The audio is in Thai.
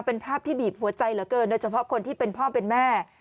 เป็นภาพที่บีบหัวใจเหลือเกินโดยเฉพาะคนที่เป็นพ่อเป็นแม่